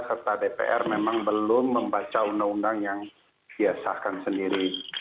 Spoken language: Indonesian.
serta dpr memang belum membaca undang undang yang biasakan sendiri